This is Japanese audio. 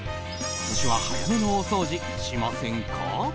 今年は早めの大掃除しませんか？